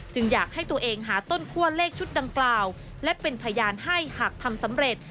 อยากให้ตัวเองหาต้นคั่วเลขชุดดังกล่าวและเป็นพยานให้หากทำสำเร็จ